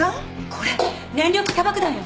これ燃料気化爆弾よ！